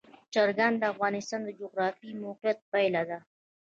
چرګان د افغانستان د جغرافیایي موقیعت پایله ده.